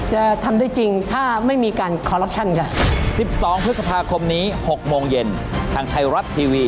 จะทำได้จริงถ้าไม่มีการคอลลับชั่นค่ะ